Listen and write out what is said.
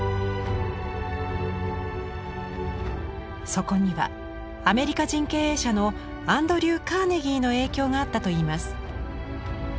そこにはアメリカ人経営者のアンドリュー・カーネギーの影響があったといいます。